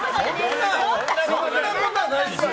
そんなことないですよ！